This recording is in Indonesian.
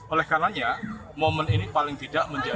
oleh karenanya momen ini paling tidak menjadi